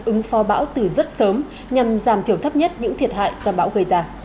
ứng phó bão từ rất sớm nhằm giảm thiểu thấp nhất những thiệt hại do bão gây ra